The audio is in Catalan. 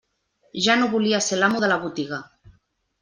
Ja no volia ser l'amo de la botiga.